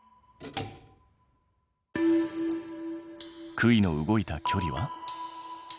杭の動いた距離は？